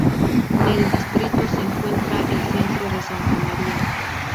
Nel distrito se encuentra el Centro de Santa Maria.